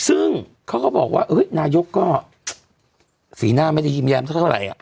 ซึ่งเขาก็บอกว่านายกก็สีหน้าไม่ได้ยิ้มแม้เท่าไหร่